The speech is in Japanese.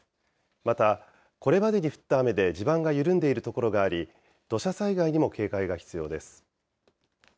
また、これまでに降った雨で地盤が緩んでいる所があり、土砂災害にも警戒が必要です。